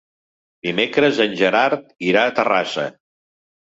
Dimecres en Gerard irà a Terrassa.